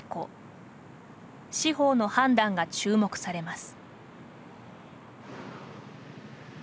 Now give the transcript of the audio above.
司法の判断が注目されます。